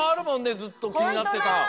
ずっときになってた。